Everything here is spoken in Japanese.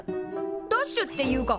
ダッシュっていうか